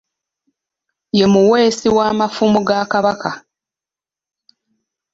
Ye muweesi wa mafumu ga Kabaka.